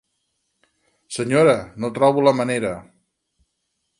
Senyora, no trobo la manera.